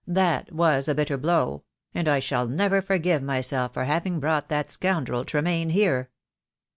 "Thai was a bitter blow; and I shall never forgive myself for having brought that scoundrel Tremaine here."